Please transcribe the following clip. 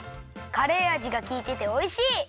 カレーあじがきいてておいしい！